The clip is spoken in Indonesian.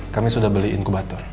kami sudah beli inkubator